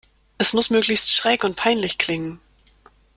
Es muss möglichst schräg und peinlich klingen.